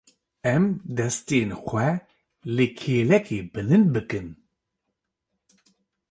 Em destên xwe li kêlekê bilind bikin.